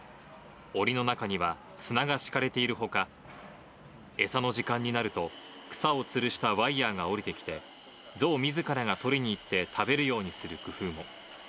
おりの中には砂が敷かれているほか、餌の時間になると、草をつるしたワイヤーが下りてきて、ゾウみずからが取りに行って食べるようにする工夫も。